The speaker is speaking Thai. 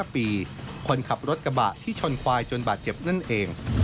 คนขับรถกระบะที่ชนควายจนบาดเจ็บนั่นเอง